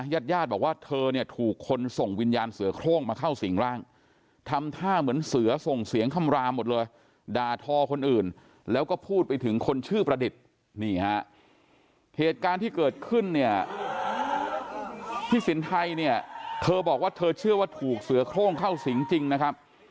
ญาติญาติบอกว่าเธอเนี่ยถูกคนส่งวิญญาณเสือโครงมาเข้าสิ่งร่างทำท่าเหมือนเสือส่งเสียงคำรามหมดเลยด่าทอคนอื่นแล้วก็พูดไปถึงคนชื่อประดิษฐ์นี่ฮะเหตุการณ์ที่เกิดขึ้นเนี่ยพี่สินไทยเนี่ยเธอบอกว่าเธอเชื่อว่าถูกเสือโครงเข้าสิงจริงนะครับ